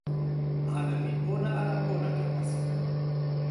ale li pona ala pona tawa sina?